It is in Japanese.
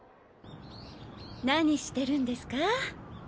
何してるんですか？